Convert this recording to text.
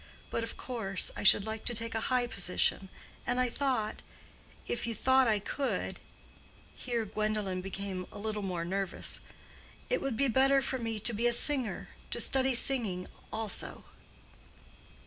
But, of course, I should like to take a high position, and I thought—if you thought I could"—here Gwendolen became a little more nervous—"it would be better for me to be a singer—to study singing also."